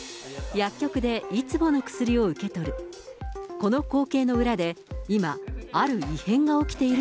薬局でいつもの薬を受け取る。